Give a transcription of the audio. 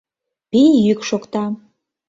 Пий йӱк шокта.